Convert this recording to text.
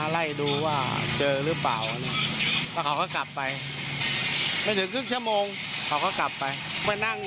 และออกบิน